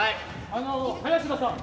あの林田さん